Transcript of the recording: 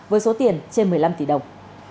với số tiền trên một mươi năm tỷ đồng